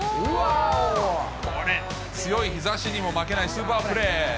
これ、強い日ざしにも負けないスーパープレー。